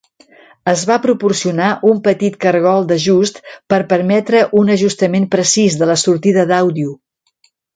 Es va proporcionar un petit cargol d'ajust per permetre un ajustament precís de la sortida d'àudio.